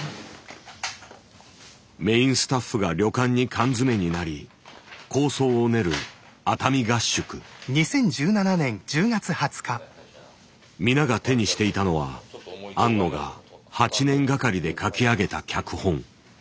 メインスタッフが旅館に缶詰めになり構想を練るみなが手にしていたのは庵野が８年がかりで書き上げた脚本。